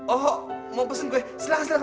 oh mau pesen kue silahkan silahkan